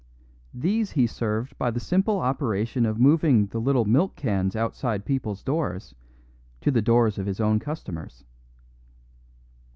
These he served by the simple operation of moving the little milk cans outside people's doors to the doors of his own customers.